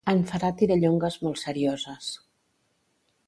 En farà tirallongues molt serioses.